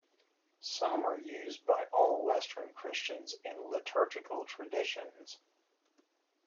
Some are used by all Western Christians in liturgical traditions.